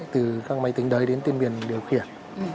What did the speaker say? từ các máy tính đấy đến tiên biển điều khiển